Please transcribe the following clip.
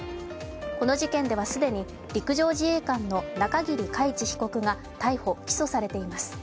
この事件では既に陸上自衛官の中桐海知被告が逮捕・起訴されています。